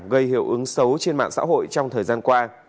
gây hiệu ứng xấu trên mạng xã hội trong thời gian qua